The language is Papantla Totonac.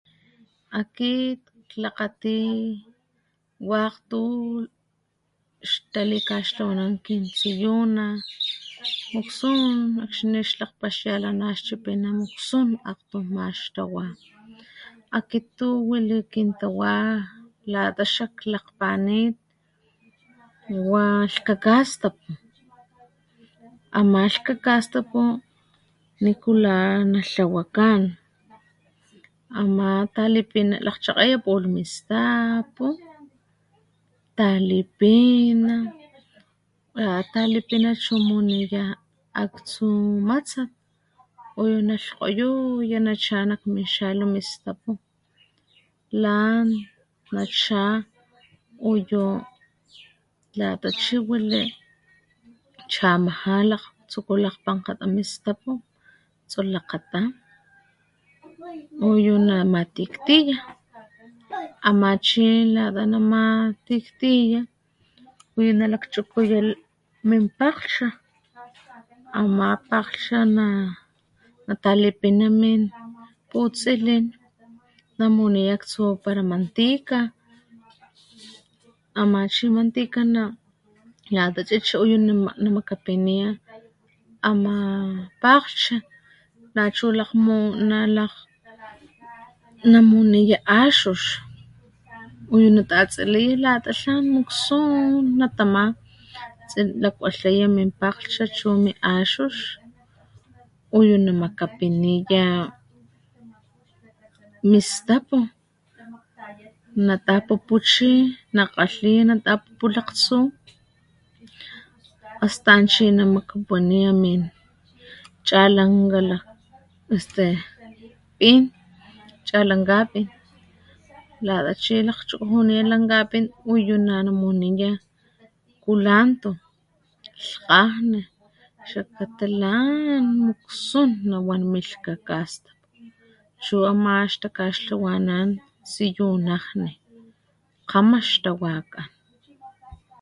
Akit klakgati wakg tu xtalikaxtlawanan kin tsiyuna muksun akxni xlakgpaxialhnana xchipina muksun akgtun ma ix tawa akit tu wili kin tawa lata xak lakgpani wa lhkakastapu ama lhkakastapu nikula natlawakan ama talipina lakgchakgeya pulh mi stapu talipina lata talipina chu muniya aktsu matsat uyu nalhkgoyoya nacha nak mi xalu mi stapu lan nacha uyu lata chi wili chamaja lakg tsuku lakgpankgata mi stapu tsolakgata uyu namatiktiya ama chi lata namatiktiya uyu nalakchukuya min pakglhcha ama pakglhcha na natalipina min putsilin namuniya aktsu para mantika ama chi mantika na lata chichi uyu namakapiniya ama pakglhcha nachu na lakg namuniya axux uyu natatsiliya lata tlan muksun natama lakwalhaya min pakglhcha chu mi axux uyu namakapiniya min stapu natapupu chi nakgalhiya natapupu lakgtsu astan chi namakapiniya min chalanka laj este pin chalankapin lata chi lakchukujuniya lankapin uyu nanamuniya kulanto, lhkgajni xlakata lan muksun nawan min lhkakastapu chu ama ix takaxtlawanan tsiyunajni kgama ixtawakan.